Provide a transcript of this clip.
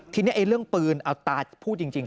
ทีนี้เรื่องปืนเอาตาพูดจริง